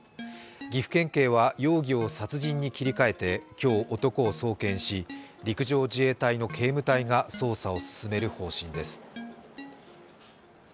岐阜県警は容疑を殺人に切り替えて今日、男を送検し、陸上自衛隊の警務隊が捜査を進める方針です。